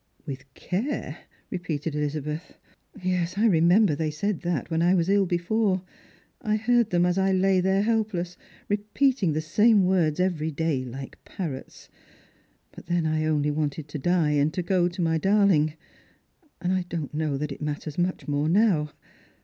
"With care!" repeated Ehzabeth. " Yes, I remember they eaid that when I was ill before. I heard them, as I lay there helpless, repeating the same words every day like parrots. But then I only wanted to die, and to go to my darling ; and I don't know that it matters much more now.